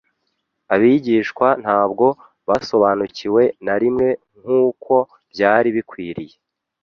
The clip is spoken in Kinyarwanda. Abigishwa ntabwo basobanukiwe na rimwe nk'uko byari bikwiriye